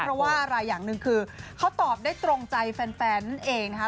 เพราะว่าอะไรอย่างหนึ่งคือเขาตอบได้ตรงใจแฟนนั่นเองนะคะ